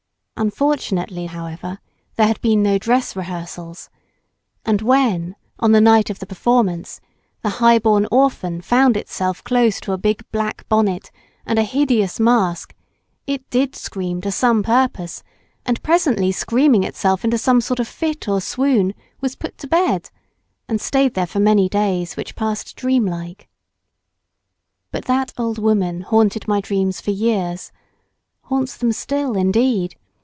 Unfortunately, however, there had been no dress rehearsals, and when, on the night of the performance the high born orphan found itself close to a big black bonnet and a hideous mask, it did scream to some purpose, and presently screaming itself into some sort of fit or swoon, was put to bed, and stayed there for many days which passed dreamlike. But that old woman haunted my dreams for years——haunts them still indeed.